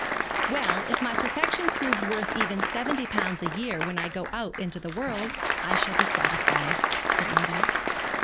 'Well, if my perfection prove worth seventy pounds a year when I go out into the world, I shall be satisfied,' said Ida.